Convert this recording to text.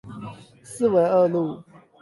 四維二路